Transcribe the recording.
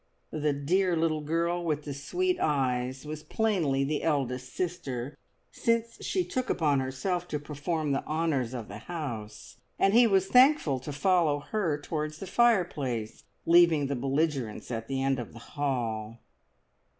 The dear little girl with the sweet eyes was plainly the eldest sister, since she took upon herself to perform the honours of the house, and he was thankful to follow her towards the fireplace, leaving the belligerents at the end of the hall.